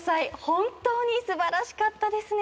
本当に素晴らしかったですね。